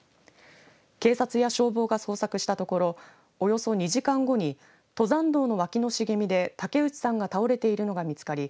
警察や消防が捜索したところおよそ２時間後に登山道の脇の茂みで竹内さんが倒れているのが見つかり